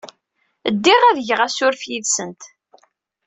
Ddiɣ ad geɣ asurf yid-sent.